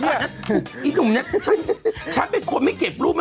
ไอ้หนุ่มนี่ฉันเป็นคนไม่เก็บรูปล่ะ